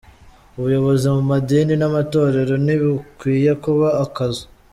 Ubuyobozi mu madini n’amatorero ntibukwiye kuba akazu.